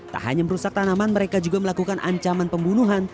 tak hanya merusak tanaman mereka juga melakukan ancaman pembunuhan